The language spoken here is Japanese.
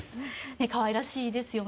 可愛らしいですよね。